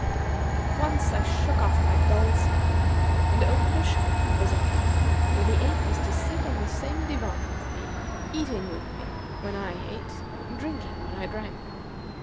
At once I shook off my dull sloth, and opened a shop in the bazar, where the ape used to sit on the same divan with me eating with me when I ate and drinking when I drank.